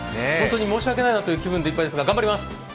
本当に申し訳ないという気分でいっぱいですがよろしくお願いします。